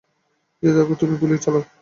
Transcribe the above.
যেই থাকুক তুমি গুলি চালাও।